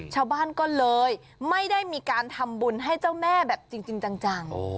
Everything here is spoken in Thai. ชาวบ้านก็เลยไม่ได้มีการทำบุญให้เจ้าแม่แบบจริงจัง